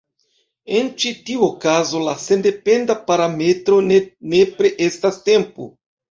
En ĉi tiu okazo la sendependa parametro ne nepre estas tempo.